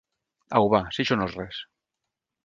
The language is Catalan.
Au va, si això no és res!